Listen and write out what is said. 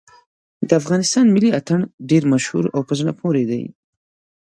د افغانستان ملي اتڼ ډېر مشهور او په زړه پورې دی.